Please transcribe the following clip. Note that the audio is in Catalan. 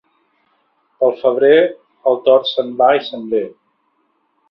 Pel febrer, el tord se'n va i se'n ve.